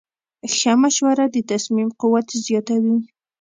ښه مشوره د تصمیم قوت زیاتوي.